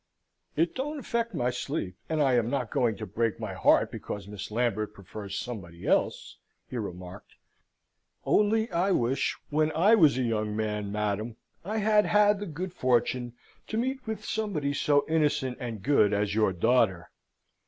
"It don't affect my sleep, and I am not going to break my heart because Miss Lambert prefers somebody else," he remarked. Only I wish when I was a young man, madam, I had had the good fortune to meet with somebody so innocent and good as your daughter.